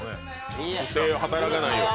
不正は働かないように。